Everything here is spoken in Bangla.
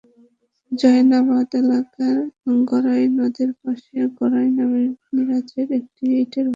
জয়নাবাদ এলাকায় গড়াই নদের পাশে গড়াই নামে মিরাজের একটি ইটের ভাটা আছে।